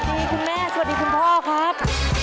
คุณแม่สวัสดีคุณพ่อครับ